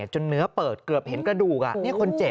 จนเนื้อเปิดเกือบเห็นกระดูกคนเจ็บ